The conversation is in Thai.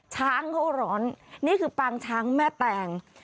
ช้างเขาร้อนนี่คือปางช้างแม่แตง